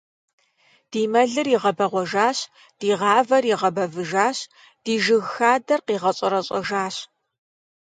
Ди мэлыр игъэбэгъуэжащ, ди гъавэр игъэбэвыжащ, ди жыг хадэр къигъэщӀэрэщӀэжащ!